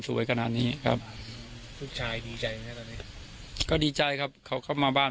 ขนาดนี้ครับลูกชายดีใจไหมตอนนี้ก็ดีใจครับเขาเข้ามาบ้าน